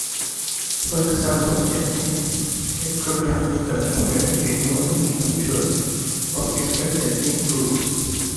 For example, ethnic heterogamy refers to marriages involving individuals of different ethnic groups.